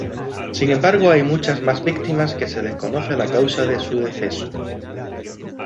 Sin embargo hay muchas más víctimas que se desconoce la causa de su deceso.